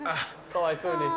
かわいそうに。